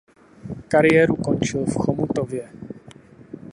Kariéru končil v Chomutově.